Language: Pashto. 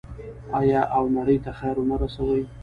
آیا او نړۍ ته خیر ورنه رسوي؟